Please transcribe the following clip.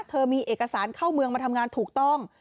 เธอมีเอกสารเข้าเมืองมาทำงานถูกต้อง